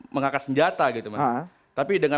mengangkat senjata gitu mas tapi dengan